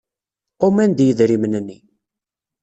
Quman-d yidrimen-nni.